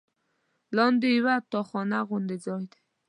لاندې یوه تاخانه غوندې ځای دی.